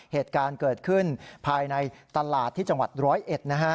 เหตุการณ์เกิดขึ้นภายในตลาดที่จังหวัดร้อยเอ็ดนะฮะ